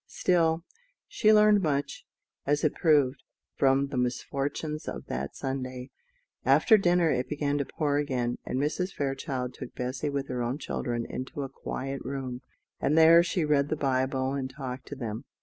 Still, she learned much, as it proved, from the misfortunes of that Sunday. After dinner it began to pour again, and Mrs. Fairchild took Bessy with her own children into a quiet room, and there she read the Bible and talked to them.